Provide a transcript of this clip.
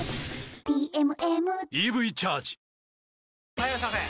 ・はいいらっしゃいませ！